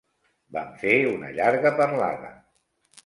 Vam fer una llarga parlada.